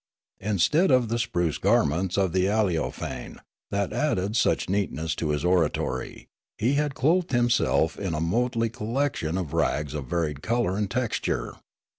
Instead of the spruce garments of Aleofane that added such neatness to his oratory, he had clothed himself in a motley collection of rags of varied colour and texture.